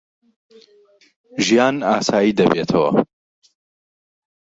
ژیان ئاسایی دەبێتەوە.